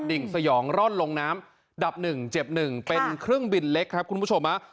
ดิ่งสยองร่อนลงน้ำดับหนึ่งเจ็บหนึ่งเป็นเครื่องบินเล็กครับคุณผู้ชมฮะ